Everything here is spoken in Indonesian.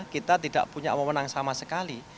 kita tidak punya wawonan sama sekali